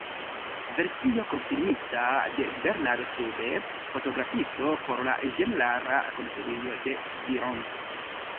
Versio konfirmita de Bernard Sube, fotografisto por la ĝenerala konsilio de Gironde.